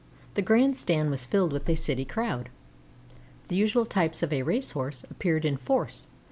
The Grand Stand was filled with a city crowd. The usual types of a racecourse appeared in force.